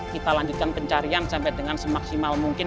kita lanjutkan pencarian sampai dengan semaksimal mungkin